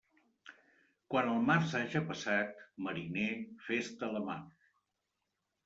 Quan el març haja passat, mariner, fes-te a la mar.